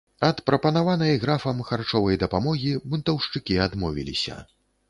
Ад прапанаванай графам харчовай дапамогі бунтаўшчыкі адмовіліся.